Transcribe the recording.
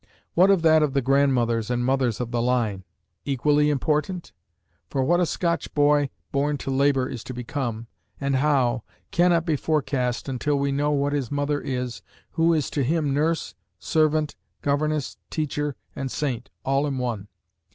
What of that of the grandmothers and mothers of the line equally important? For what a Scotch boy born to labor is to become, and how, cannot be forecast until we know what his mother is, who is to him nurse, servant, governess, teacher and saint, all in one.